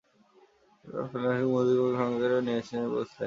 মেলায় আসার সময় মুদ্রিত কপিটি সঙ্গে করে নিয়ে এসে প্রবেশপথে দেখাতে হবে।